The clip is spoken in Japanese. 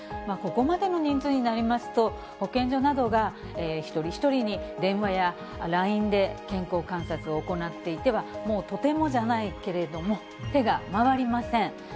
ここまでの人数になりますと、保健所などが一人一人に電話やＬＩＮＥで健康観察を行っていては、もうとてもじゃないけれども、手が回りません。